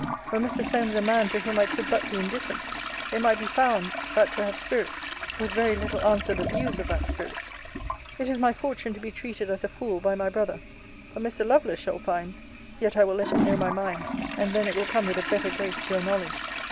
Were Mr. Solmes a man to whom I could but be indifferent, it might be found, that to have spirit, would very little answer the views of that spirit. It is my fortune to be treated as a fool by my brother: but Mr. Lovelace shall find Yet I will let him know my mind; and then it will come with a better grace to your knowledge.